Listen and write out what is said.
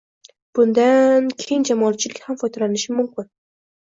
Bundan keng jamoatchilik ham foydalanishi mumkin.